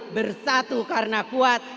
bersatu karena kuat